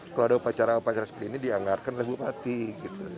kalau ada upacara upacara seperti ini dianggarkan oleh bupati gitu